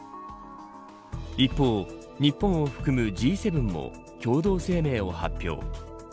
一方、日本を含むＧ７も共同声明を発表。